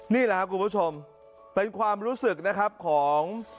นี่แหละครับคุณผู้ชมเป็นความรู้สึกนะครับของ